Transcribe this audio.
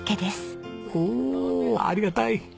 おおありがたい。